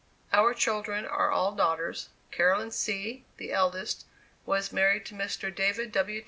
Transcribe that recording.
Our children are all daughters: Caroline C., the eldest, was married to Mr. David W.